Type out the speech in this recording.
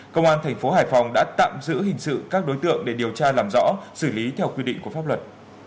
công an thành phố hải phòng đã tạm giữ hình sự các đối tượng để điều tra làm rõ xử lý theo quy định của pháp luật